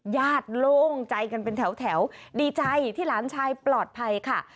โล่งใจกันเป็นแถวดีใจที่หลานชายปลอดภัยค่ะ